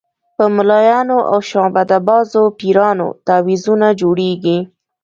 په ملایانو او شعبده بازو پیرانو تعویضونه جوړېږي.